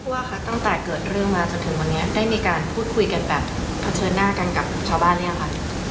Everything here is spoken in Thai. ว่าคะตั้งแต่เกิดเรื่องมาจนถึงวันนี้ได้มีการพูดคุยกันแบบเผชิญหน้ากันกับชาวบ้านหรือยังคะ